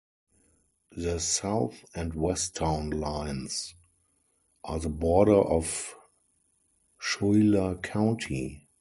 The south and west town lines are the border of Schuyler County.